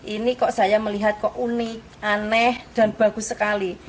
ini kok saya melihat kok unik aneh dan bagus sekali